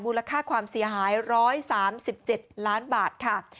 ค่าความเสียหาย๑๓๗ล้านบาทค่ะ